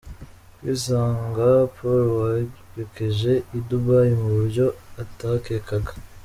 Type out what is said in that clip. Kwisanga Paul werekeje i Dubai mu buryo atakekaga.